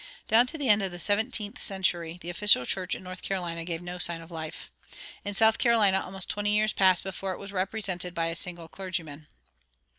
Down to the end of the seventeenth century the official church in North Carolina gave no sign of life. In South Carolina almost twenty years passed before it was represented by a single clergyman.